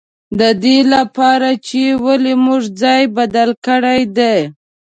د دې له پاره چې ولې موږ ځای بدل کړی دی.